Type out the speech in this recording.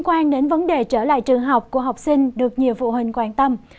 quan đến vấn đề trở lại trường học của học sinh được nhiều phụ huynh quan tâm